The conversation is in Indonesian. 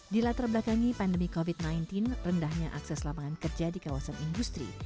di latar belakangi pandemi covid sembilan belas rendahnya akses lapangan kerja di kawasan industri